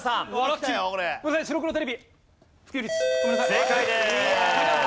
正解です。